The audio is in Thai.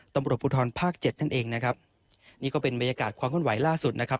ตำรวจภูทรภาคเจ็ดนั่นเองนะครับนี่ก็เป็นบรรยากาศความขึ้นไหวล่าสุดนะครับ